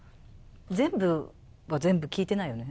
全部は全部聞いてないよね？